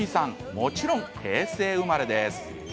もちろん平成生まれです。